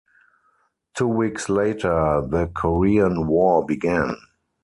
Two weeks later the Korean War began.